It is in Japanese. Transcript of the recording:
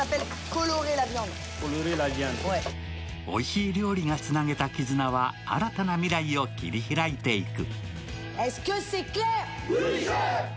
おいしい料理がつなげた絆は新たな未来を切り開いていく。